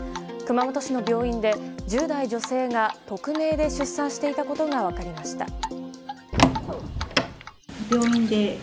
熊本市の病院で１０代女性が匿名で出産していたことが分かりました。